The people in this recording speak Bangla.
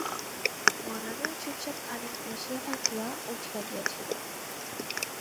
পরাণও চুপচাপ খানিক বসিয়া থাকিয়া উঠিয়া গিয়াছিল।